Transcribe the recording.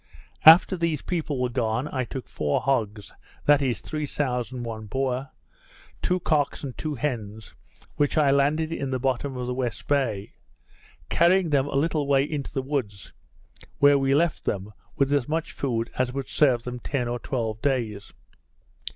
After these people were gone, I took four hogs (that is, three sows and one boar), two cocks and two hens, which I landed in the bottom of the West Bay; carrying them a little way into the woods, where we left them with as much food as would serve them ten or twelve days.